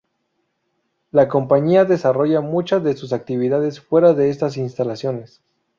La compañía desarrolla muchas de sus actividades fuera de estas instalaciones.